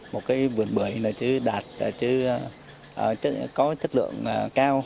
một cái vườn bưởi là chứ đạt là chứ có chất lượng cao